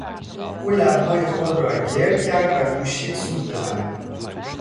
او لبهای خود را گرد کرد و کوشید سوت بزند.